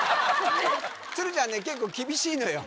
鶴ちゃんね結構厳しいのよ